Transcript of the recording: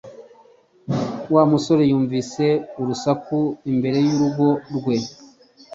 Wa musore yumvise urusaku imbere y'urugo rwe